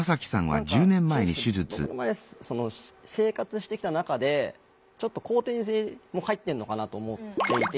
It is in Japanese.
何か正直僕の場合生活してきた中でちょっと後天性も入ってんのかなと思っていて。